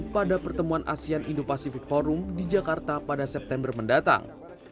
pada pertemuan asean indo pacific forum di jakarta pada september mendatang